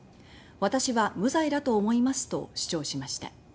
「私は無罪だと思います」と主張しました。